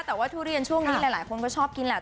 แต่ว่าทุเรียนช่วงนี้หลายคนก็ชอบกินแหละ